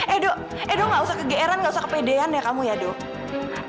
eh dok edo gak usah kegeeran gak usah kepedean ya kamu ya dok